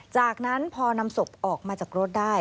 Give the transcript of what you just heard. จากนั้นพอนำศพออกมาจากรถได้